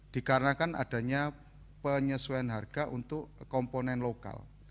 dikarenakan adanya penyesuaian harga untuk komponen lokal